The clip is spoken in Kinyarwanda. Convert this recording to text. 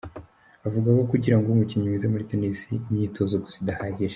Avuga ko kugirango ube umukinnyi mwiza muri Tennis imyitozo gusa idahagije.